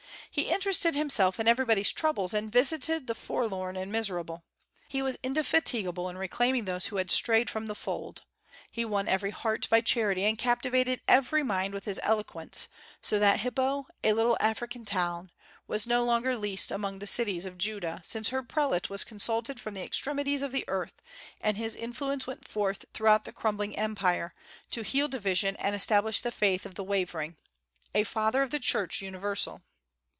He interested himself in everybody's troubles, and visited the forlorn and miserable. He was indefatigable in reclaiming those who had strayed from the fold. He won every heart by charity, and captivated every mind with his eloquence; so that Hippo, a little African town, was no longer "least among the cities of Judah," since her prelate was consulted from the extremities of the earth, and his influence went forth throughout the crumbling Empire, to heal division and establish the faith of the wavering, a Father of the Church universal.